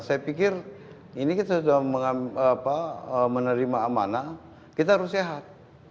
saya pikir ini kita sudah menerima amanah kita harus sehat